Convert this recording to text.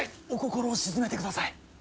お心を静めてください。